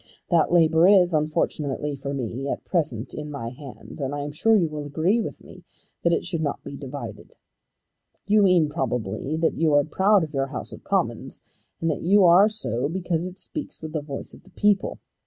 That labour is, unfortunately for me, at present in my hands, and I am sure you will agree with me that it should not be divided. You mean probably that you are proud of your House of Commons, and that you are so because it speaks with the voice of the people.